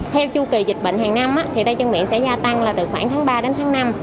theo chu kỳ dịch bệnh hàng năm thì tay chân miệng sẽ gia tăng là từ khoảng tháng ba đến tháng năm